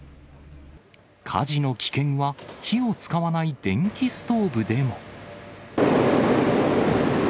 火事の危険は、火を使わない電気ストーブでも。